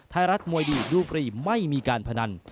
ไทยรัฐมวยดีดูฟรีไม่มีการพนัน